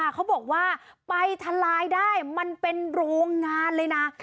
เขาบอกว่าไปทลายได้มันเป็นโรงงานเลยนะ